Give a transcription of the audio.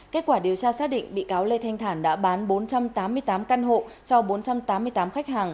kết quả điều tra xác định bị cáo lê thanh thản đã bán bốn trăm tám mươi tám căn hộ cho bốn trăm tám mươi tám khách hàng